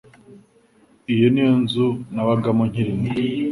Iyi niyo nzu nabagamo nkiri muto.